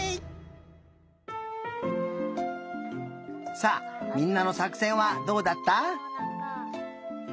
さあみんなのさくせんはどうだった？